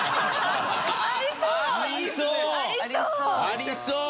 ありそう！